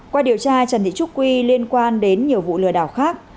qua điều tra trần thị trúc quy liên quan đến nhiều vụ lừa đảo khác